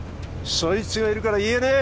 そいつがいるから言えねえ！